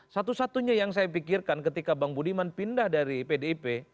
satu satunya yang saya pikirkan ketika bang budiman pindah dari pdip